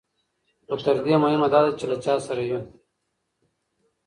خو تر دې مهمه دا ده چې له چا سره یو.